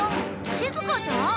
しずかちゃん？